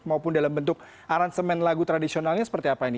maupun dalam bentuk aransemen lagu tradisionalnya seperti apa ini